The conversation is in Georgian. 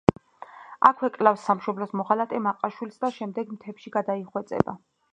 აქვე კლავს სამშობლოს მოღალატე მაყაშვილს და შემდეგ მთებში გადაიხვეწება.